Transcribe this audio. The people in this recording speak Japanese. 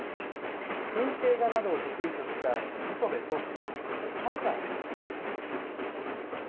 風景画などを得意とした礒部草丘の絵画を楽しめます。